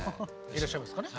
いらっしゃいますかね。